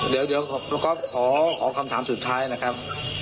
เดี๋ยวคุณก๊อฟขอคำถามสุดท้ายนะครับ